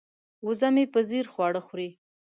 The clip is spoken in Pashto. وزه مې په ځیر خواړه خوري.